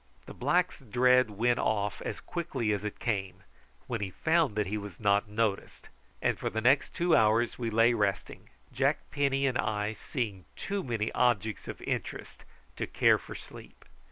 The black's dread went off as quickly as it came, when he found that he was not noticed, and for the next two hours we lay resting, Jack Penny and I seeing too many objects of interest to care for sleep.